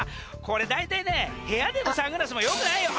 これ大体ね部屋でのサングラスもよくないよ